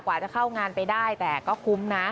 กว่าจะเข้างานไปได้แต่ก็คุ้มนะ